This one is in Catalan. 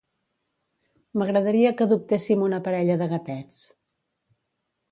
M'agradaria que adoptessim una parella de gatets.